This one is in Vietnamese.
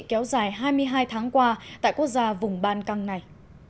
kéo dài hai mươi hai tháng qua tại quốc gia vùng ban căng này